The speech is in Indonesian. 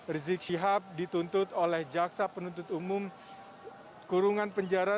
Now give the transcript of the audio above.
rizik syihab dituntut oleh jaksa penuntut umum kurungan penjara